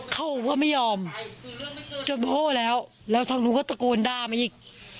เขาก็ไม่ยอมจนโบ้แล้วแล้วทางนู้นก็ตะโกนด่ามาอีก